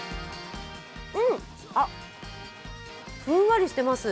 うん、あっ、ふんわりしています。